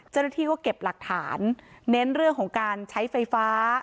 เจ้าหน้าที่ก็เก็บหลักฐานเน้นเรื่องของการใช้ไฟฟ้า